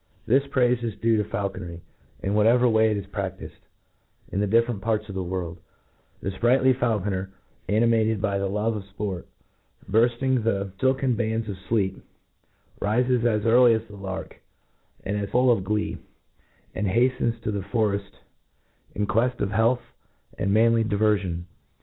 This praife is due to faulconry, m whatever way it is praftifed in the different parts of the world. The fprightly faujconcr, animated by the love of fport, burfting the fdken bands of fleep, rifes early as the lark, and as full of glee j and haftens tq INTRODUCTION, iii t6 the foreft in queft of health and manly diver * (ion.